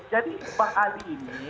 jadi pak ali ini